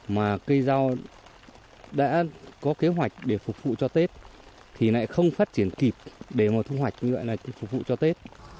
mà cây rau đã có kế hoạch để phục vụ cho tết thì lại không phát triển kịp để mà thu hoạch như vậy là phục vụ cho tết